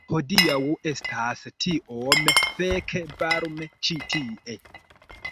Hodiaŭ estas tiom feke varme ĉi tie